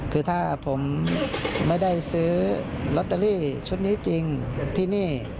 คือถ้าผมไม่ได้ซื้อลอตเตอรี่ชุดนี้จริงที่นี่